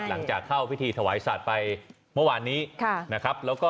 หลังจากเข้าพิธีถวายสัตว์ไปเมื่อวานนี้นะครับ